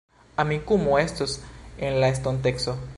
Amikumu estos en la estonteco